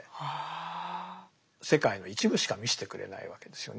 世界の一部しか見してくれないわけですよね。